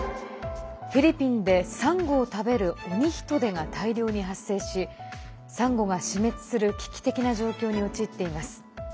フィリピンでサンゴを食べるオニヒトデが大量に発生し、サンゴが死滅する危機的な状況に陥っています。